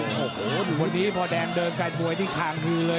โอ้โหดูคนนี้พอแดงเดินการมวยนี่คางฮือเลย